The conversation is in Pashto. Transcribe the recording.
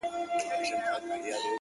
لكه د دوو جنـــــــگ ـ